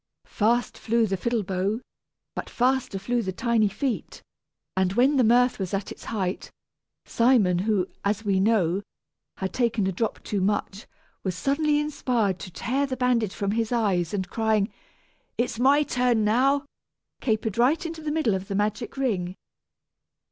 Fast flew the fiddle bow, but faster flew the tiny feet; and when the mirth was at its height, Simon who, as we know, had taken a drop too much, was suddenly inspired to tear the bandage from his eyes, and crying, "It's my turn now," capered right into the middle of the magic ring.